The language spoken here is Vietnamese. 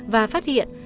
và phát hiện